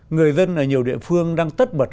người dân ở nhiều địa phương đang tất bật